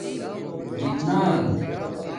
جِنات